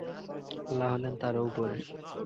আল্লাহ হলেন তারও উপরে।